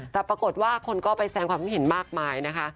แต่ปรากฏว่าคนก็ไปแสงความคิดเห็นมากมายนะคะ